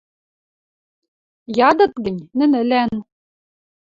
Ядыт гӹнь, нӹнӹлӓн